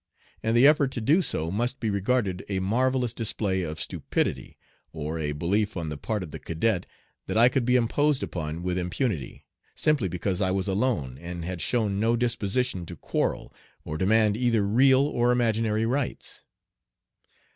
And the effort to do so must be regarded a marvellous display of stupidity, or a belief on the part of the cadet that I could be imposed upon with impunity, simply because I was alone and had shown no disposition to quarrel or demand either real or imaginary rights.